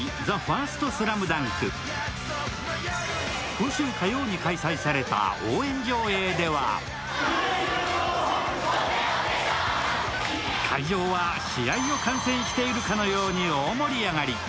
今週火曜に開催された応援上映では会場は試合を観戦しているかのように大盛り上がり。